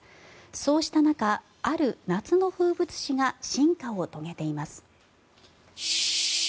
そうした中、ある夏の風物詩が進化を遂げています。